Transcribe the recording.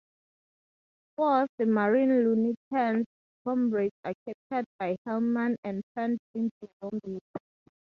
Four of the marine lieutenant's comrades are captured by Hellman and turned into zombies.